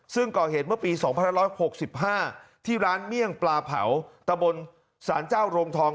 ซึ่งก่อเหตุเมื่อปี๒๑๖๕ที่ร้านเมี่ยงปลาเผาตะบนสารเจ้าโรงทอง